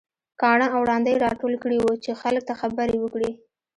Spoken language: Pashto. کاڼه او ړانده يې راټول کړي وو چې خلک ته خبرې وکړي.